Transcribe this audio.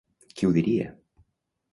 Qui ho diria!